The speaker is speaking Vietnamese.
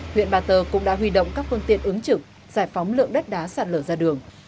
huyện ba tơ cũng đã huy động các phương tiện ứng trực giải phóng lượng đất đá sạt lở ra đường